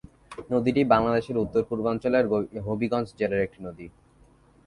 নদীটি বাংলাদেশের উত্তর-পূর্বাঞ্চলের হবিগঞ্জ জেলার একটি নদী।